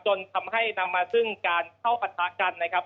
จนทำให้นำมาซึ่งการเข้าปะทะกันนะครับ